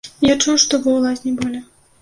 Я чуў, што вы ў лазні былі.